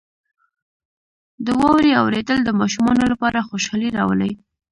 • د واورې اورېدل د ماشومانو لپاره خوشحالي راولي.